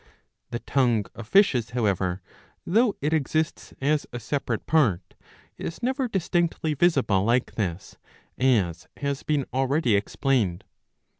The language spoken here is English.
The tongue of fishes, however, though it exists as a separate part, is never distinctly visible like this, as has been already explained.